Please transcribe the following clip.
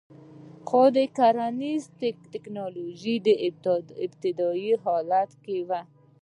خو کرنیزه ټکنالوژي په ابتدايي حالت کې وه